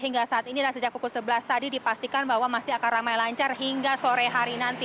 hingga saat ini dan sejak pukul sebelas tadi dipastikan bahwa masih akan ramai lancar hingga sore hari nanti